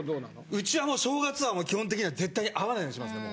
うちはもう正月は基本的には絶対会わないようにしますね